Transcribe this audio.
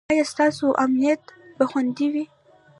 ایا ستاسو امنیت به خوندي وي؟